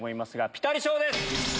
ピタリ賞です。